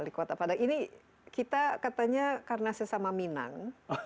wali kota padang ini kita katanya karena sesama minang